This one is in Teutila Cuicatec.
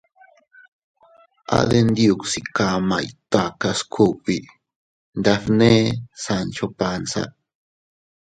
—A Denyuksi kamay takas kugbi —nbefne Sancho Panza.